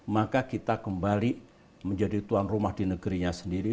maka kita kembali menjadi tuan rumah di negerinya sendiri